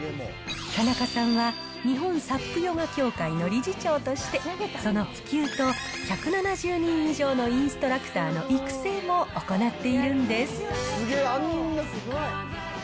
田中さんは、日本サップヨガ協会の理事長として、その普及と、１７０人以上のインストラクターの育成も行っているんです。